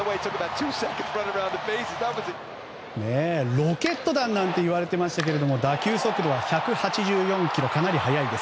ロケット弾なんて言われてましたけれど打球速度は１８４キロかなり速いです。